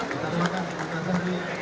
kita berikan kemintaan zohri